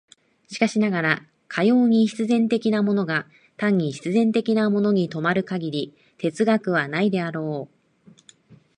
しかしながら、かように必然的なものが単に必然的なものに止まる限り哲学はないであろう。